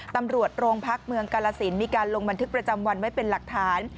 ตำรวจโรงพักเมืองกาลสินมีการลงบันทึกประจำวันไว้เป็นหลักฐาน